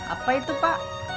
apa itu pak